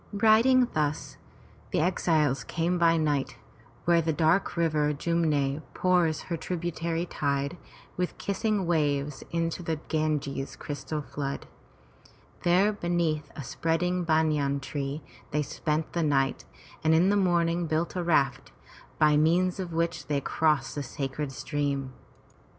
Riding thus, the exiles came by night where the dark river Jum'ne pours her tributary tide with kissing waves into the Ganges' crystal flood. There beneath a spreading banyan tree they spent the night and in the morning built a raft, by means of which they crossed the sacred stream.